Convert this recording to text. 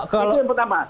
itu yang pertama